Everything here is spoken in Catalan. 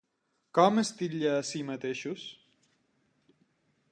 Com es titlla a si mateixos?